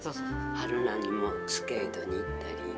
はるなにもスケートに行ったり。